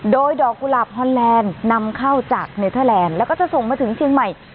โดยดอกกุหลาบฮอนแลนด์นำเข้าจากเนเทอร์แลนด์แล้วก็จะส่งมาถึงเชียงใหม่